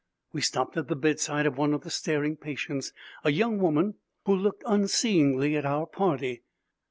We stopped at the bedside of one of the staring patients, a young woman who looked unseeingly at our party.